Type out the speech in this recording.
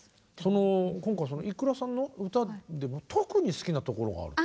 今回ｉｋｕｒａさんの歌でも特に好きなところがある。